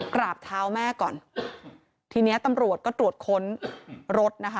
กราบเท้าแม่ก่อนทีเนี้ยตำรวจก็ตรวจค้นรถนะคะ